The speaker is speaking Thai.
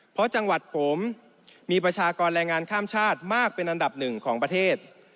เพราะจังหวัดผมมีประชากรแรงงานข้ามชาติมากเป็นอันดับหนึ่งของประเทศ